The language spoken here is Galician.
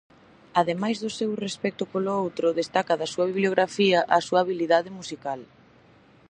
Ademais do seu respecto polo outro, destaca da súa biografía a súa habilidade musical.